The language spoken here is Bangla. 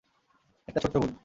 একটা ছোট্ট ভুল!